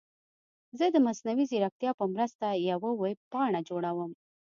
زه د مصنوعي ځیرکتیا په مرسته یوه ویب پاڼه جوړوم.